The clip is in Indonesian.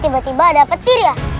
tiba tiba ada petir ya